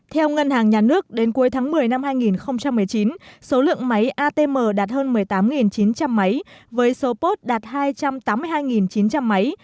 theo ngân hàng nhà nước đến cuối tháng một mươi năm hai nghìn một mươi chín số lượng máy atm đạt hơn một mươi tám chín trăm linh máy với số post đạt hai trăm tám mươi hai chín trăm linh máy